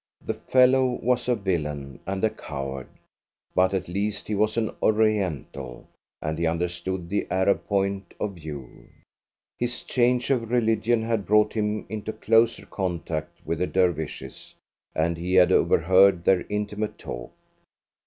The fellow was a villain and a coward, but at least he was an Oriental, and he understood the Arab point of view. His change of religion had brought him into closer contact with the Dervishes, and he had overheard their intimate talk.